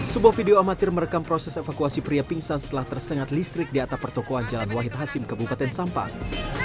sebuah video amatir merekam proses evakuasi pria pingsan setelah tersengat listrik di atap pertokohan jalan wahid hasim kabupaten sampang